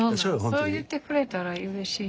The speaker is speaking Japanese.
そう言ってくれたらうれしいよね。